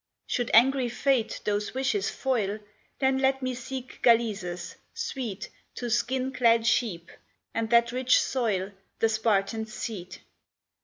Should angry Fate those wishes foil, Then let me seek Galesus, sweet To skin clad sheep, and that rich soil, The Spartan's seat.